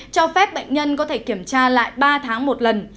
cho phép bệnh nhân có thể kiểm tra lại ba tháng một lần